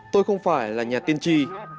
tôi không phải là nhà tiên tri